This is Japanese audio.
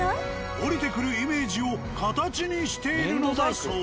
降りてくるイメージを形にしているのだそう。